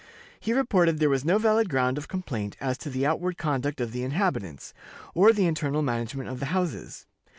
He reported there was no valid ground of complaint as to the outward conduct of the inhabitants, or the internal management of the houses.